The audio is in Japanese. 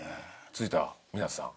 続いては水瀬さん。